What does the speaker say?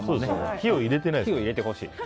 火を入れてほしい。